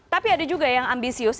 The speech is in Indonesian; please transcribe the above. tapi ada juga yang ambisius